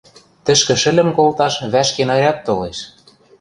Тӹшкӹ шӹльӹм колташ вӓшке наряд толеш...